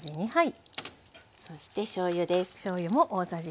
そしてしょうゆです。